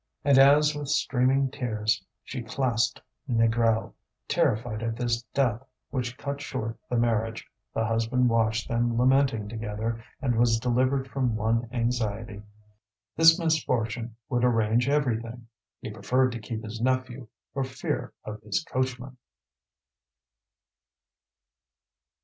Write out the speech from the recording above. And as with streaming tears she clasped Négrel, terrified at this death which cut short the marriage, the husband watched them lamenting together, and was delivered from one anxiety. This misfortune would arrange everything; he preferred to keep his nephew for fear of his coachman.